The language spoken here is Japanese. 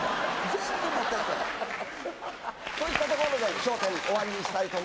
全部持ってって！といったところで『笑点』終わりにしたいと思います。